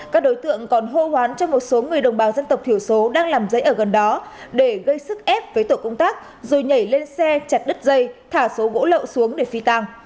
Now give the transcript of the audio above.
các đối tượng còn hô hoán cho một số người đồng bào dân tộc thiểu số đang làm giấy ở gần đó để gây sức ép với tổ công tác rồi nhảy lên xe chặt đứt dây thả số gỗ lậu xuống để phi tàng